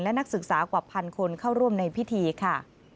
และนักศึกษากว่าพันคนเข้าร่วมในพิธีค่ะ